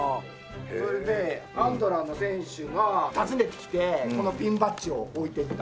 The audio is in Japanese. それでアンドラの選手が訪ねてきてこのピンバッジを置いていった。